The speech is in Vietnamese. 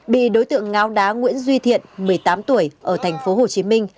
bị đối tượng ngáo đá nguyễn duy thiện một mươi tám tuổi ở thành phố hồ chí minh